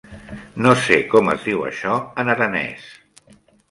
No sé com es diu això en aranès.